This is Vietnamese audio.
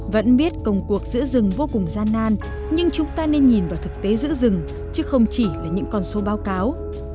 vẫn biết công cuộc giữ rừng vô cùng gian nan nhưng chúng ta nên nhìn vào thực tế giữ rừng chứ không chỉ là những con số báo cáo